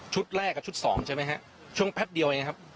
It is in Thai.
ชุดแรกกับชุดสองใช่ไหมฮะช่วงแพลตเดียวเนี่ยครับ